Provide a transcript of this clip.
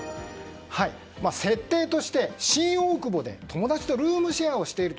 設定として、新大久保で友達とルームシェアしている。